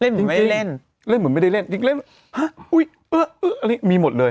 เล่นเหมือนไม่ได้เล่นเล่นเหมือนไม่ได้เล่นยังเล่นฮะอุ้ยเอ้อเอ้ออันนี้มีหมดเลย